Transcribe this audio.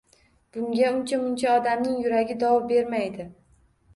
Bunga uncha-muncha odamning yuragi dov bermaydi.